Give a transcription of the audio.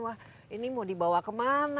wah ini mau dibawa kemana